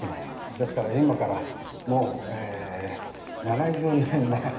ですから今からもう７０年前。